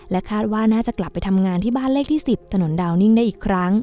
คาดว่าน่าจะกลับไปทำงานที่บ้านเลขที่๑๐ถนนดาวนิ่งได้อีกครั้ง